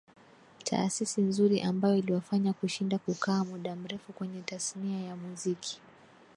taasisi nzuri ambayo iliwafanya kushinda kukaa muda mrefu kwenye tasnia ya muziki